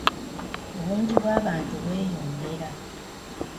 Obungi bw'abantu bweyongera